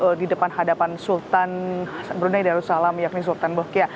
jadi di depan hadapan sultan brunei darussalam yakni sultan al balkiyah